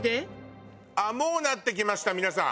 もうなってきました皆さん。